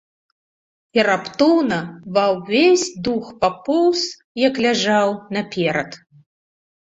І раптоўна ва ўвесь дух папоўз, як ляжаў, наперад.